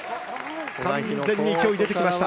完全に勢いが出てきました。